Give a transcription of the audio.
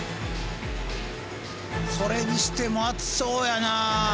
それにしても熱そうやな。